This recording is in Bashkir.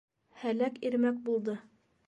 Һәләк ирмәк булды.